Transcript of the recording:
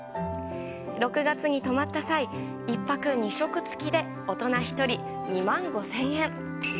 ６月に泊まった際、１泊２食つきで大人１人２万５０００円。